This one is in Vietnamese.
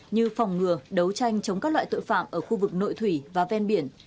như phòng ngừa đấu tranh chống các loại tội phạm ở khu vực nội thủy và ven biển